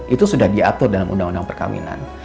itu sudah diatur dalam undang undang perkawinan